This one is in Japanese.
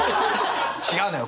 違うのよ。